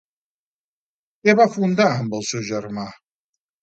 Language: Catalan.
Què va fundar amb el seu germà?